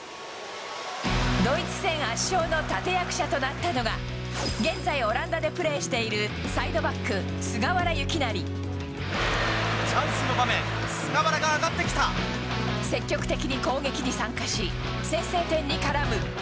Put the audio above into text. ドイツ戦圧勝の立役者となったのが、現在、オランダでプレーしているサイドバック、チャンスの場面、菅原が上が積極的に攻撃に参加し、先制点に絡む。